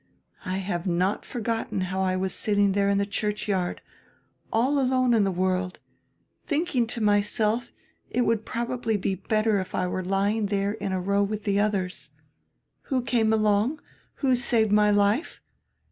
I have not forgotten how I was sitting there in die churchyard, all alone in die world, thinking to myself it would probably be better if I were lying diere in a row widi die others. Who came along? Who saved my life?